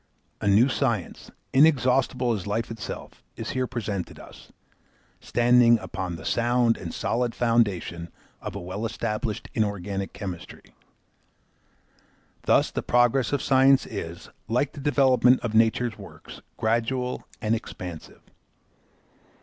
A new science, inexhaustible as life itself, is here presented us, standing upon the sound and solid foundation of a well established inorganic chemistry. Thus the progress of science is, like the development of nature's works, gradual and expansive.